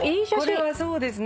これはそうですね